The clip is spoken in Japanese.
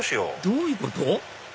どういうこと？